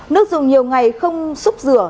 nước dùng nhiều ngày không xúc rửa